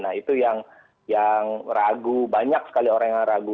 nah itu yang ragu banyak sekali orang yang ragu